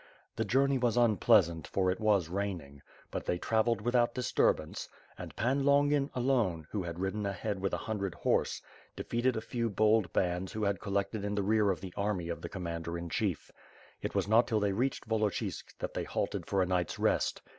The journey was unpleasant, for it was raining; but they travelled without dis turbance, and Pan Longin, alone, who had ridden ahead with a hundred horse, defeated a few bold bands who had collected in the rear of the army of the commander in chief. It was not till they reached Volochisk that they halted for a night's rest.